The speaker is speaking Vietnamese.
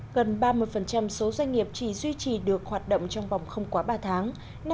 gần ba mươi số doanh nghiệp chỉ duy trì được hoạt động trong vòng không quá ba tháng